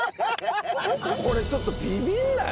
これちょっとビビんない？